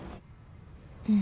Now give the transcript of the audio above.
うん。